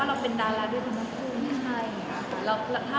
ใช่เราไม่ได้ยืนติดกับคุณคุณค่ะ